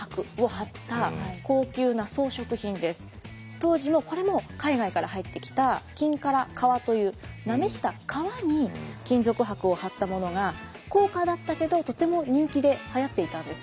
当時もこれも海外から入ってきた金唐革というなめした革に金属箔を貼ったものが高価だったけどとても人気ではやっていたんですね。